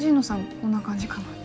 こんな感じかなって。